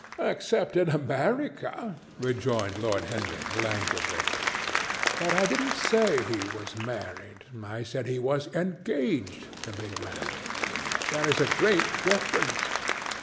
"Except in America," rejoined Lord Henry languidly. "But I didn't say he was married. I said he was engaged to be married. There is a great difference.